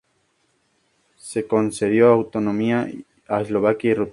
Se concedió autonomía a Eslovaquia y Rutenia.